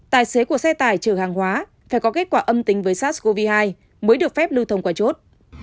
tài xế của xe tải chở hàng hóa phải có kết quả âm tính với sars cov hai mới được phép lưu thông qua chốt